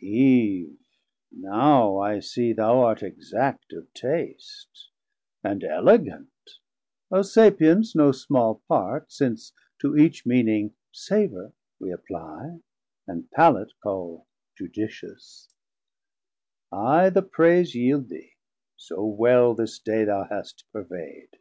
Eve, now I see thou art exact of taste, And elegant, of Sapience no small part, Since to each meaning savour we apply, And Palate call judicious; I the praise 1020 Yeild thee, so well this day thou hast purvey'd.